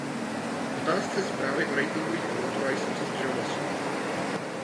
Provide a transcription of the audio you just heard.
V otázce zprávy o ratingových agenturách jsem se zdržel hlasování.